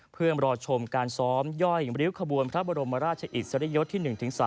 เพื่อรอชมการซ้อมย่อยริ้วขบวนพระบรมราชอิสริยยศที่๑๓